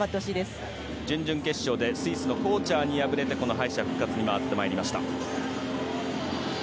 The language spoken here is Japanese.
準々決勝でコーチャーに敗れてこの敗者復活に回って参りました。